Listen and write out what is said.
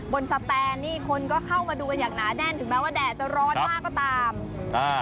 สแตนนี่คนก็เข้ามาดูกันอย่างหนาแน่นถึงแม้ว่าแดดจะร้อนมากก็ตามอ่า